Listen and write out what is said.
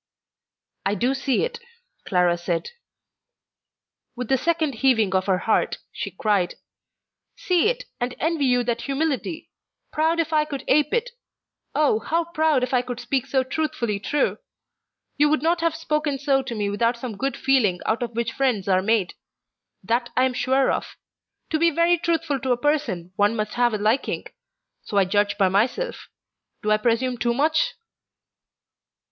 "I do see it," Clara said. With the second heaving of her heart, she cried: "See it, and envy you that humility! proud if I could ape it! Oh, how proud if I could speak so truthfully true! You would not have spoken so to me without some good feeling out of which friends are made. That I am sure of. To be very truthful to a person, one must have a liking. So I judge by myself. Do I presume too much?"